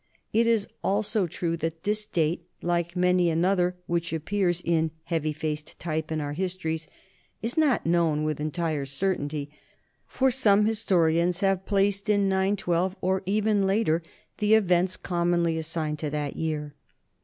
It is also true that this date, like many another which appears in heavy faced type in our histories, is not known with entire certainty, for some historians have placed in 912 or even later the events commonly assigned to that year.